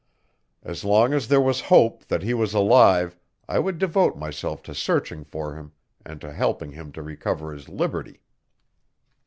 As long as there was hope that he was alive I would devote myself to searching for him and to helping him to recover his liberty.